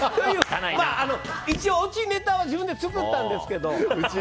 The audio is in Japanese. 一応、オチを自分で作ったんですけど。